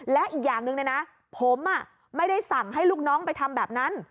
และอีกอย่างหนึ่งเลยนะผมไม่ได้สั่งให้ลูกน้องไปทำแบบนั้น